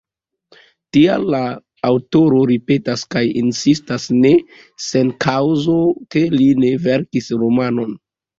Tial la aŭtoro ripetas kaj insistas, ne sen kaŭzo, ke li ne verkis romanon.